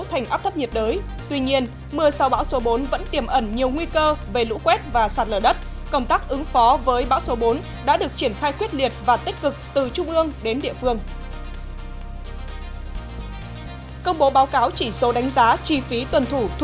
hãy đăng ký kênh để ủng hộ kênh của chúng mình nhé